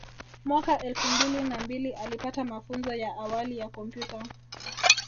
Mwaka elfu mbili na mbili alipata mafunzo ya awali ya kompyuta